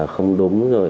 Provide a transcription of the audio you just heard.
không đúng rồi